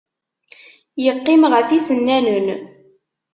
Yeqqim ɣef yisennanen.